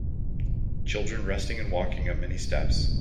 Children resting and walking up many steps.